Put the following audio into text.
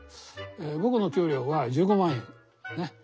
僕の給料は１５万円ね。